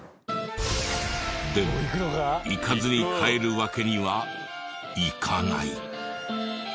でも行かずに帰るわけにはいかない。